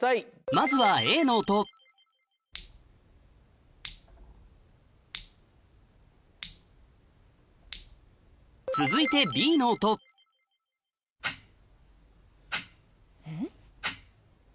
まずはＡの音続いてＢの音うん？